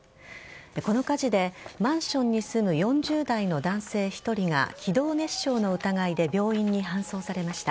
この火事でマンションに住む４０代の男性１人が気道熱傷の疑いで病院に搬送されました。